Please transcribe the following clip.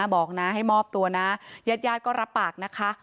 บอกนะให้มอบตัวนะญาติญาติก็รับปากนะคะ